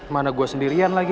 mana gue sendirian lagi